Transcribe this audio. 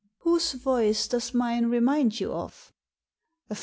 "Whose voice does mine remind you of?"